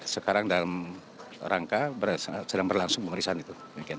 sekarang dalam rangka sedang berlangsung pemeriksaan itu